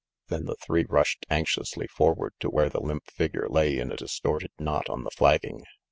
Then the three rushed anxiously forward to where the limp figure lay in a distorted knot on the flagging.